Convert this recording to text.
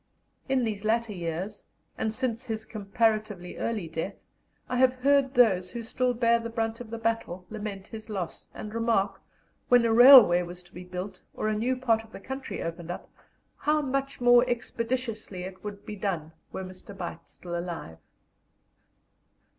In these latter years, and since his comparatively early death, I have heard those who still bear the brunt of the battle lament his loss, and remark, when a railway was to be built or a new part of the country opened up, how much more expeditiously it would be done were Mr. Beit still alive.